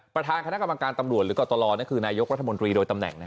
ประธานคณะกรรมการตำรวจหรือกรตลคือนายกรัฐมนตรีโดยตำแหน่ง